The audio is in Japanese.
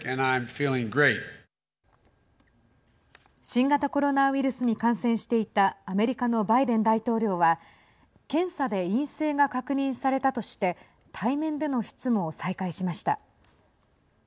新型コロナウイルスに感染していたアメリカのバイデン大統領は検査で陰性が確認されたとして対面での執務を再開しました。